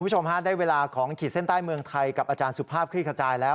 คุณผู้ชมฮะได้เวลาของขีดเส้นใต้เมืองไทยกับอาจารย์สุภาพคลี่ขจายแล้ว